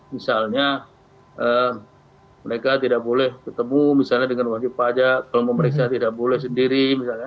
misalnya mereka tidak boleh ketemu misalnya dengan wajib pajak kalau memeriksa tidak boleh sendiri